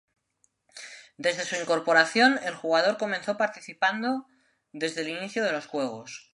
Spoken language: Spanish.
Desde su incorporación, el jugador comenzó participando desde el inicio de los juegos.